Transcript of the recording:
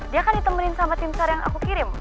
dia akan ditemenin sama tim sar yang aku kirim